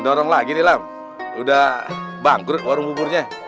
gimana lagi nih lam udah bangkrut warung buburnya